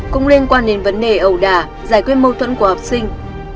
cũng liên quan đến vấn đề ẩu đà giải quyết mâu thuẫn của học sinh